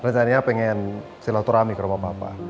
rencananya pengen silau turami ke rumah papa